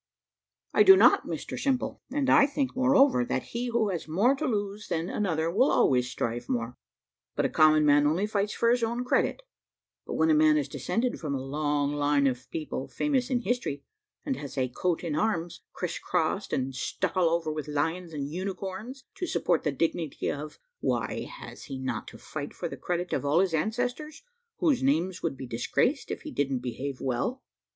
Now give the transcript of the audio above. "I do not Mr Simple; and I think, moreover, that he who has more to lose than another will always strive more. But a common man only fights for his own credit; but when a man is descended from a long line of people famous in history, and has a coat in arms, criss crossed, and stuck all over with lions and unicorns to support the dignity of why, has he not to fight for the credit of all his ancestors, whose names would be disgraced if he didn't behave well?"